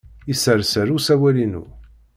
Yesserser usawal-inu.